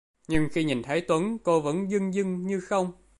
Nhưng khi nhìn thấy Tuấn cô vẫn dưng dưng như không